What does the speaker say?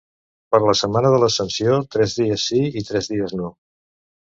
Per la setmana de l'Ascensió, tres dies sí i tres dies no.